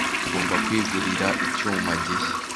Ugomba kwigurira icyuma gishya.